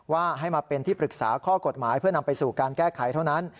ว่าให้มาเป็นที่ปรึกษาข้อกฎหมายเพื่อนำไปสู่การแก้ไขเท่านั้น